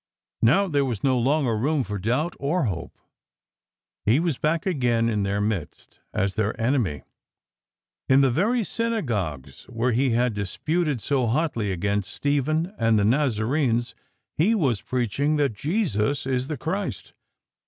Now there was no longer room for doubt or hope. He was back again in their midst — as their enemy. In the very synagogues where he had dis puted so hotly against Stephen and the Nazarenes he was preaching that "Jesus is: the Christ."